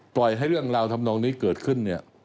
ปล่อยให้เรื่องราวธรรมนองนี้เกิดขึ้น